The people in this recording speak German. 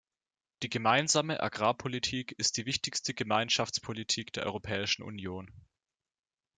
Die Gemeinsame Agrarpolitik ist die wichtigste Gemeinschaftspolitik der Europäischen Union.